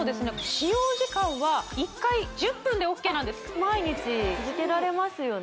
使用時間は１回１０分でＯＫなんです毎日続けられますよね